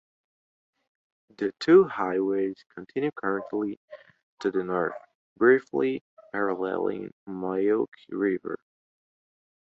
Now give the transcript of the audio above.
The two highways continue concurrently to the north, briefly paralleling Milk River.